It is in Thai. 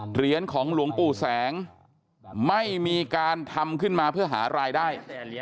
เหรียญของหลวงปู่แสงไม่มีการทำขึ้นมาเพื่อหารายได้